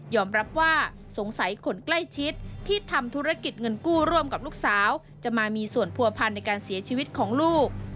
รับว่าสงสัยคนใกล้ชิดที่ทำธุรกิจเงินกู้ร่วมกับลูกสาวจะมามีส่วนผัวพันธ์ในการเสียชีวิตของลูก